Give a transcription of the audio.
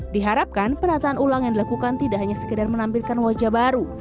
diharapkan penataan ulang yang dilakukan tidak hanya sekedar menampilkan wajah baru